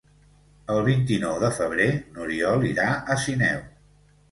El vint-i-nou de febrer n'Oriol irà a Sineu.